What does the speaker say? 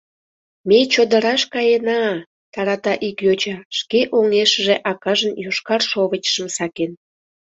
— Ме чодыраш каена-а! — тарата ик йоча, шке оҥешыже акажын йошкар шовычшым сакен.